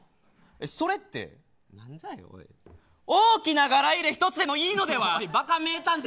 それって大きな柄入れ一つでもいいのではばか名探偵